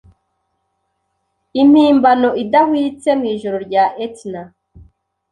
Impimbano idahwitse mwijoro rya Etna